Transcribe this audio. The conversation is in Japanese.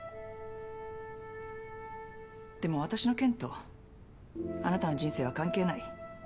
でも私の件とあなたの人生は関係ない。